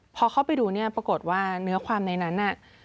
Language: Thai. พอเข้าไปดูเนี่ยปรากฏว่าเนื้อความในนั้นน่ะ